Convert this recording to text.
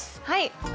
はい。